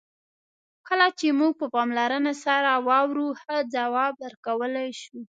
کله چې موږ په پاملرنه سره واورو، ښه ځواب ورکولای شو.